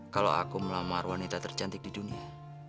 kalau aku melamar wanita tercantik di dunia